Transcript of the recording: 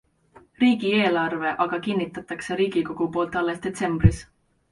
Riigieelarve aga kinnitatakse riigikogu poolt alles detsembris.